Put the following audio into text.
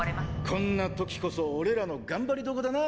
こんな時こそ俺らの頑張りどこだな。